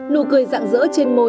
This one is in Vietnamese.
nụ cười dạng dỡ trên môi